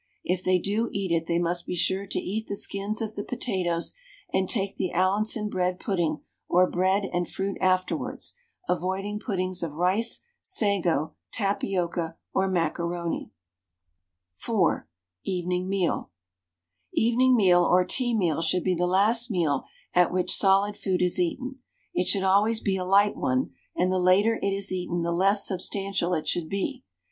If they do eat it they must be sure to eat the skins of the potatoes, and take the Allinson bread pudding or bread and fruit afterwards, avoiding puddings of rice, sago, tapioca, or macaroni. IV. EVENING MEAL. Evening meal or tea meal should be the last meal at which solid food is eaten. It should always be a light one, and the later it is eaten the less substantial it should be.